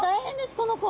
この子。